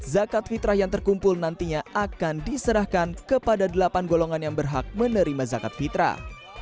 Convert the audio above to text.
zakat fitrah yang terkumpul nantinya akan diserahkan kepada delapan golongan yang berhak menerima zakat fitrah